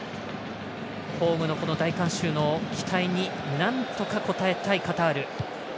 ホームの大観衆の期待になんとか応えたい、カタール。